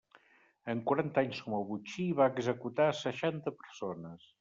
En quaranta anys com a botxí, va executar a seixanta persones.